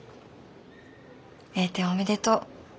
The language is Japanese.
栄転おめでとう。